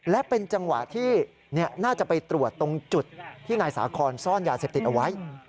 และเป็นจังหวะที่น่าจะไปตรวจตรงจุดที่นายสาคอนซ่อนยาเสพติดเอาไว้